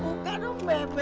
buka dong bebe